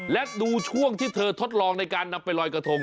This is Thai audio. และดูช่วงที่เธอทดลองในการนำไปลอยกระทง